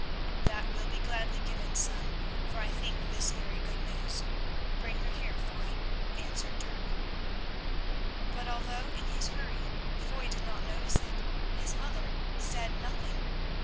"That will be gladly given, son, for I think this very good news. Bring her here, Foy," answered Dirk. But although in his hurry Foy did not notice it, his mother said nothing.